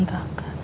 aduh betul kaburah